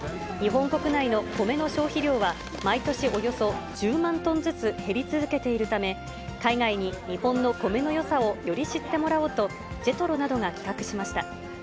日本国内の米の消費量は、毎年およそ１０万トンずつ減り続けているため、海外に日本の米のよさをより知ってもらおうと、ジェトロなどが企画しました。